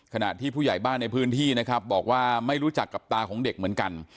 ขณะที่ผู้ใหญ่บ้านในพื้นที่นะครับบอกว่าไม่รู้จักกับตาของเด็กเหมือนกัน